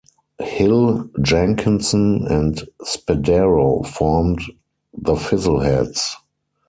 Hill, Jenkinson and Spadaro formed The Fizzleheads.